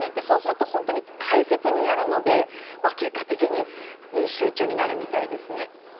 そうすると、本当に大切にやるので結果的にいい集中になるみたいですね。